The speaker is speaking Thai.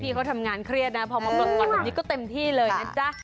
พี่เขาทำงานเครียดนะพอมาหมดก่อนตรงนี้ก็เต็มที่เลยนะจ๊ะ